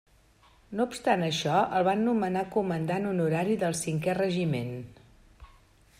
No obstant això el van nomenar comandant honorari del Cinquè Regiment.